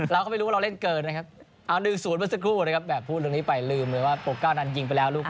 เราเล่น๘คนนะครับไปเล่น๗คนนะครับ